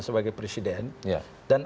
sebagai presiden dan